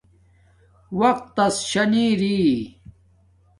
وقت تس شانی ار